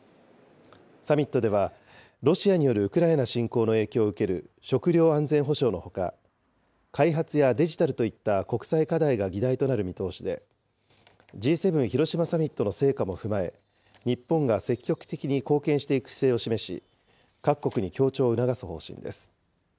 サミットでは、ロシアによるウクライナ侵攻の影響を受ける食料安全保障のほか、開発やデジタルといった国際課題が議題となる見通しで、Ｇ７広島サミットの成果も踏まえ、日本が積極的に貢献していく姿勢を示し、各国に協調を促す方針です。